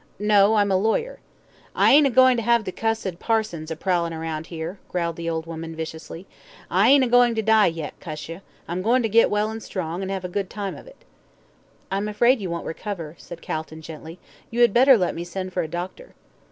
"No, I am a lawyer." "I ain't a goin' to have the cussed parsons a prowlin' round 'ere," growled the old woman, viciously. "I ain't a goin' to die yet, cuss ye; I'm goin' to get well an' strong, an' 'ave a good time of it." "I'm afraid you won't recover," said Calton, gently. "You had better let me send for a doctor."